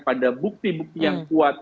pada bukti bukti yang kuat